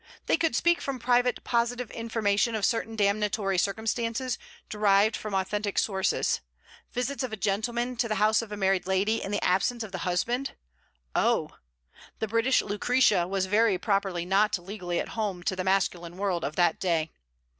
They could speak from private positive information of certain damnatory circumstances, derived from authentic sources. Visits of a gentleman to the house of a married lady in the absence of the husband? Oh! The British Lucretia was very properly not legally at home to the masculine world of that day.